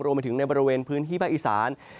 รวมไปถึงในบริเวณพื้นที่ภาคอีสาน